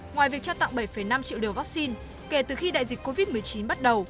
ngoài việc trao tặng bảy năm triệu liều vaccine kể từ khi đại dịch covid một mươi chín bắt đầu